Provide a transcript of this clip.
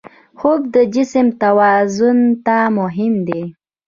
خوب د جسم توازن ته مهم دی